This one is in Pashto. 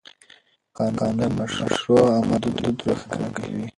قانون د مشروع عمل حدود روښانه کوي.